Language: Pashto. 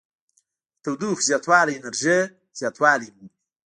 د تودوخې زیاتوالی انرژي زیاتوالی مومي.